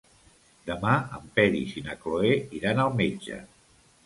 Demà en Peris i na Cloè iran al metge.